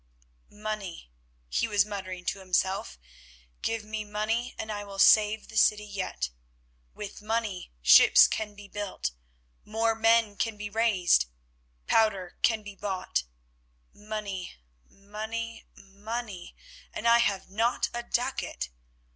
"Money," he was muttering to himself. "Give me money, and I will save the city yet. With money ships can be built, more men can be raised, powder can be bought. Money, money, money—and I have not a ducat!